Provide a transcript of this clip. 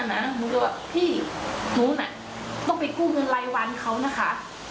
หนูก็บอกพี่หนูน่ะต้องไปกู้เงินไร้วันเขานะคะ